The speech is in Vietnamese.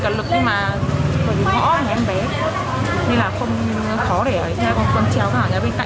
nên là không khó để con treo vào bên cạnh để thủy nhóm mà